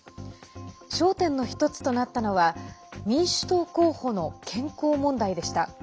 焦点の一つとなったのは民主党候補の健康問題でした。